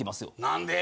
何で？